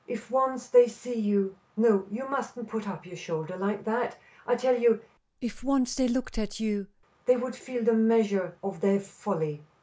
"If once they see you! No, you mustn't put up your shoulder like that I tell you, if once they looked at you, they would feel the measure of their folly."